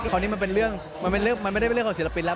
นี้มันเป็นเรื่องมันไม่ได้เป็นเรื่องของศิลปินแล้ว